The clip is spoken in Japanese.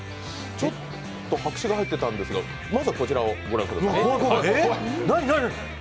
ちょっと白紙が入ってたんですが、まずはこちらを御覧ください。